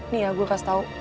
nih ya gue kasih tau